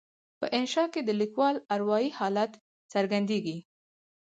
په انشأ کې د لیکوال اروایي حالت څرګندیږي.